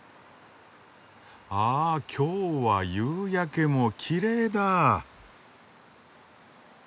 ああきょうは夕焼けもきれいだ。